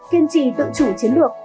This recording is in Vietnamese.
kiên trì tự chủ chiến lược